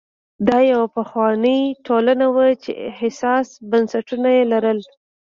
دا یوه پخوانۍ ټولنه وه چې حساس بنسټونه یې لرل.